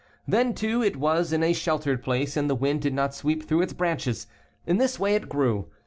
Then, too, it was in a sheltered place and the wind did not sweep through its branches. In this way it grew.